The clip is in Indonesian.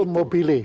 itu mau pilih